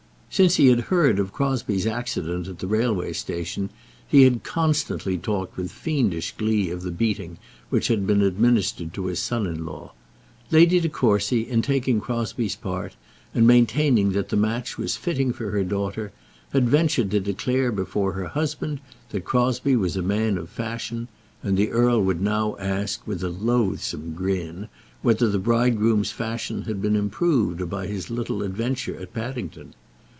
Since he had heard of Crosbie's accident at the railway station, he had constantly talked with fiendish glee of the beating which had been administered to his son in law. Lady De Courcy in taking Crosbie's part, and maintaining that the match was fitting for her daughter, had ventured to declare before her husband that Crosbie was a man of fashion, and the earl would now ask, with a loathsome grin, whether the bridegroom's fashion had been improved by his little adventure at Paddington.